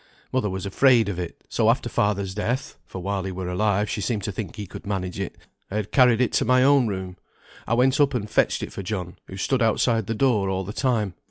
Mother was afraid of it, so after father's death (for while he were alive, she seemed to think he could manage it) I had carried it to my own room. I went up and fetched it for John, who stood outside the door all the time."